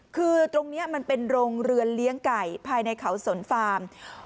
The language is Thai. คือตรงนี้มันเป็นโรงเรือนเลี้ยงไก่ภายในเขาสนฟาร์ม